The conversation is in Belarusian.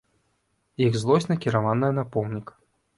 Іх злосць накіраваная на помнік.